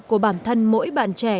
của bản thân mỗi bạn trẻ